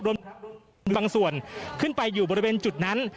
บางส่วนขึ้นไปอยู่บริเวณจุดนั้น